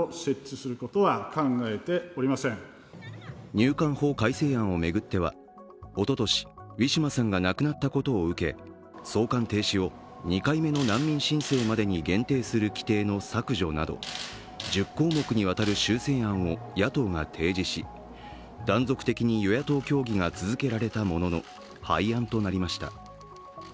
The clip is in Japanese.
入管法改正案を巡ってはおととし、ウィシュマさんが亡くなったことを受け送還停止を２回目の難民申請までに限定する規定の削除など１０項目にわたる修正案を野党が提示し断続的に与野党協議が続けられたものの廃案となりました。